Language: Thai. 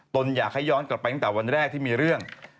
อยากให้ย้อนกลับไปตั้งแต่วันแรกที่มีเรื่อง